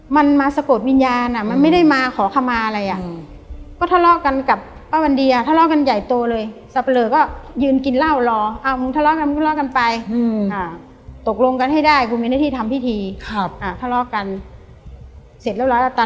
มึงหลบแล้วคนเราหลบแล้ว